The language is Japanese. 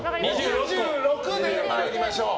２６で参りましょう。